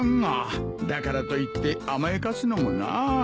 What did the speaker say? だからといって甘やかすのもなあ。